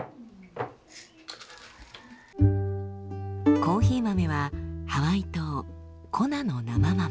コーヒー豆はハワイ島コナの生豆。